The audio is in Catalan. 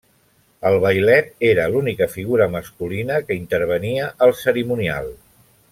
El vailet era l'única figura masculina que intervenia al cerimonial.